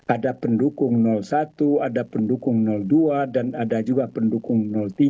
ada pendukung satu ada pendukung dua dan ada juga pendukung tiga